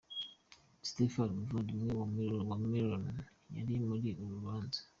Stephen, Umuvandimwe wa Maloney yari muri uru rubanza.